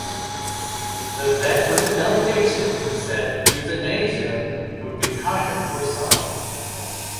The vet with the delegation said euthanasia would be kinder for some.